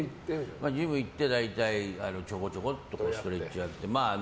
ジム行って、大体ちょこちょこっとストレッチして。